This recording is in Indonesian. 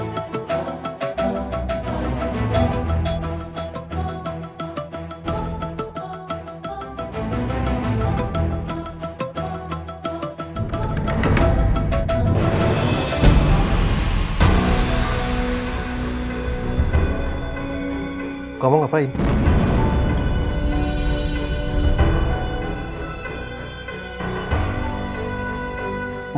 nih aku tidur